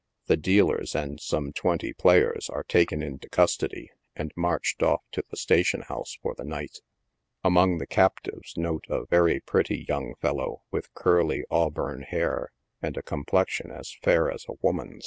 The dealers, and some twenty players, are taken into custody, and marched off to the station house for the night. Among the captives note a very pretty young fellow, with curly, auburn hair, and a complexion as fair as a woman's.